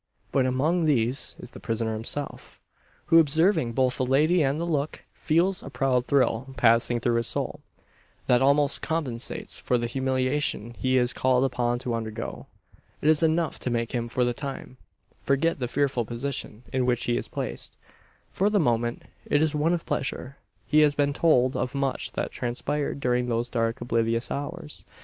But among these, is the prisoner himself; who, observing both the lady and the look, feels a proud thrill passing through his soul, that almost compensates for the humiliation he is called upon to undergo. It is enough to make him, for the time, forget the fearful position in which he is placed. For the moment, it is one of pleasure. He has been told of much that transpired during those dark oblivious hours.